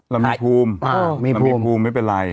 เรามีภูมิไม่เป็นไร